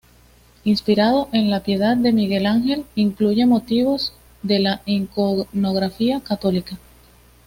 Inspirado en "La Piedad", de Miguel Ángel, incluye motivos de la iconografía católica.